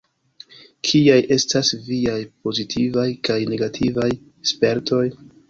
Kiaj estas viaj pozitivaj kaj negativaj spertoj?